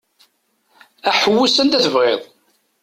Aḥewwes anda bɣiɣ.